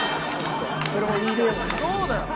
そうだよ！